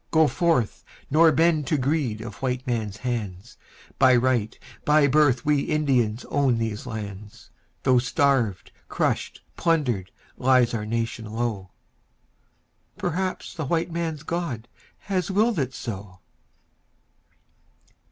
Go forth, nor bend to greed of white men's hands, By right, by birth we Indians own these lands, Though starved, crushed, plundered, lies our nation low... Perhaps the white man's God has willed it so.